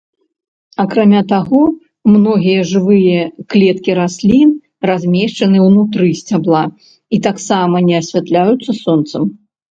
Акрамя таго, многія жывыя клеткі раслін размешчаны ўнутры сцябла і таксама не асвятляюцца сонцам.